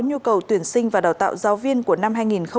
nhu cầu tuyển sinh và đào tạo giáo viên của năm hai nghìn hai mươi